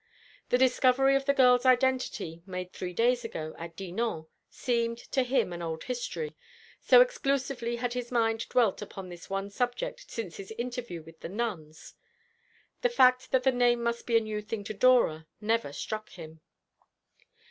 The discovery of the girl's identity, made three days ago, at Dinan, seemed, to him an old history, so exclusively had his mind dwelt upon this one subject since his interview with the nuns. The fact that the name must be a new thing to Dora never struck him.